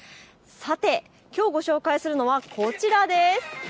きょうご紹介するのはこちらです。